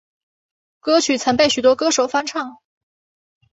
歌曲曾被许多歌手翻唱。